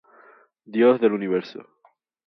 Dios del universo.